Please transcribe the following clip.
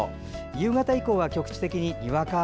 夕方以降は局地的ににわか雨。